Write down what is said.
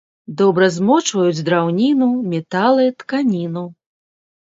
Добра змочваюць драўніну, металы, тканіну.